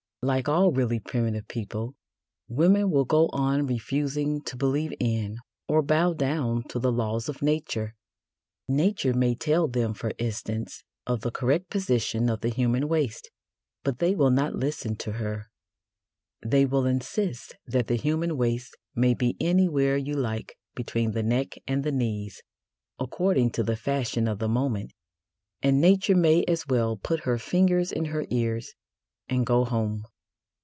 Like all really primitive people, women will go on refusing to believe in or bow down to the laws of Nature. Nature may tell them, for instance, of the correct position of the human waist; but they will not listen to her; they will insist that the human waist may be anywhere you like between the neck and the knees, according to the fashion of the moment, and Nature may as well put her fingers in her ears and go home.